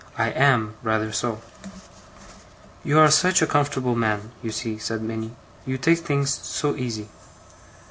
'I am rather so.' 'You are such a comfortable man, you see,' said Minnie. 'You take things so easy.